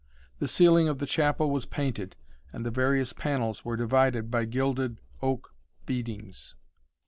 The ceiling of the chapel was painted, and the various panels were divided by gilded oak beadings.